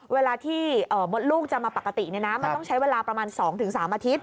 เวลาที่มดลูกจะมาปกติมันต้องใช้เวลาประมาณ๒๓อาทิตย